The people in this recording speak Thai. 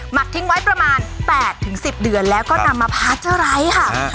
ักทิ้งไว้ประมาณ๘๑๐เดือนแล้วก็นำมาพาเจอร์ไร้ค่ะ